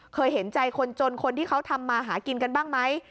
เห็นใจคนจนคนที่เขาทำมาหากินกันบ้างไหม